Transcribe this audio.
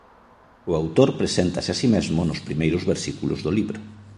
O autor preséntase a si mesmo nos primeiros versículos do libro.